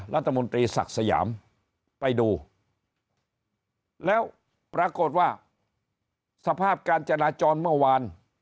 รัฐมนตรีศักดิ์สยามไปดูแล้วปรากฏว่าสภาพการจราจรเมื่อวาน